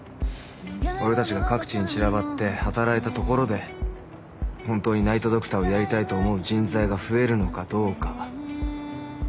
俺たちが各地に散らばって働いたところで本当にナイト・ドクターをやりたいと思う人材が増えるのかどうか。